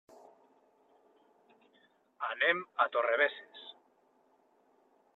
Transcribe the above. Anem a Torrebesses.